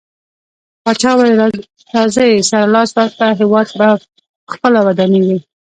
پاچاه وويل: راځٸ سره لاس ورکړو هيواد په خپله ودانيږي.